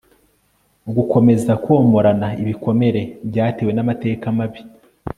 gukomeza komorana ibikomere byatewe n amateka mabi